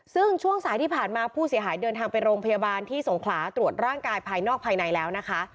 ซึ่งช่วงสายที่ผ่านมาผู้เสียหายเดินทางไปโรงพยาบาลที่สงขลาตรวจร่างกายภายนอกภายในแล้วนะคะ